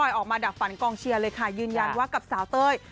ออกมาดับฝันกองเชียร์เลยค่ะยืนยันว่ากับสาวเต้ย